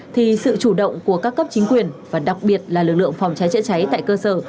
thì sự chủ động của các cấp chính quyền và đặc biệt là lực lượng phòng cháy chữa cháy tại cơ sở